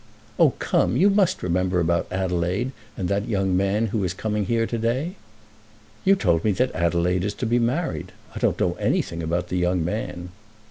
"Oh come; you must remember about Adelaide, and that young man who is coming here to day." "You told me that Adelaide is to be married. I don't know anything about the young man."